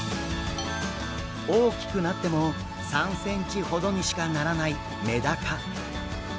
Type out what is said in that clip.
大きくなっても３ｃｍほどにしかならないメダカ。